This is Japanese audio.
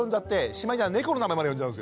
しまいには猫の名前まで呼んじゃうんですよ。